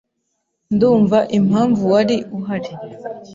Ndumva impamvu wari uhari.